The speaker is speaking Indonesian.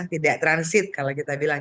tidak transit kalau kita bilang